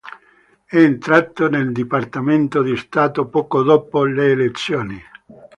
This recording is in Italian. È entrato nel Dipartimento di Stato poco dopo le elezioni.